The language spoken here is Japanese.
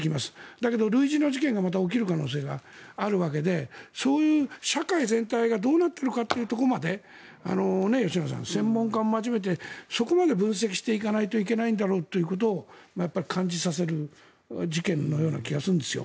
だけど、類似の事件がまた起きる可能性があるわけでそういう社会全体がどうなったのかというところまで吉永さん専門家も交えてそこまで分析していかないといけないんだろうとやっぱり感じさせる事件のような気がするんですよ。